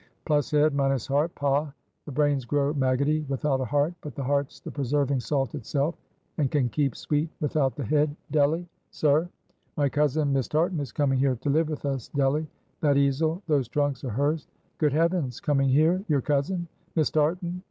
Plus head, minus heart Pah! the brains grow maggoty without a heart; but the heart's the preserving salt itself, and can keep sweet without the head. Delly!" "Sir?" "My cousin Miss Tartan is coming here to live with us, Delly. That easel, those trunks are hers." "Good heavens! coming here? your cousin? Miss Tartan?"